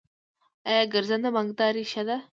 آیا ګرځنده بانکداري شته؟